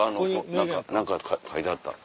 何か書いてあった。